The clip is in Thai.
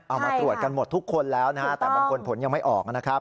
เอามาตรวจกันหมดทุกคนแล้วนะฮะแต่บางคนผลยังไม่ออกนะครับ